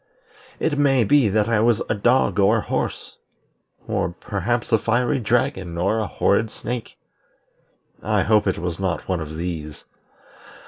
It may be that I was a dog or a horse, or perhaps a fiery dragon or a horrid snake. I hope it was not one of these.